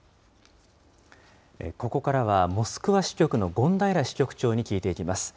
ここからはモスクワ支局の権平支局長に聞いていきます。